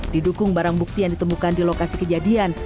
didukung barang bukti yang ditemukan di lokasi kejadian